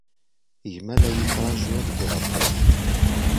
Gma la iyi-yettṛaju deg uɣerbaz.